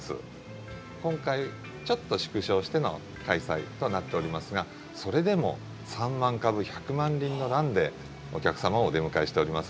今回ちょっと縮小しての開催となっておりますがそれでも３万株１００万輪のランでお客様をお出迎えしております。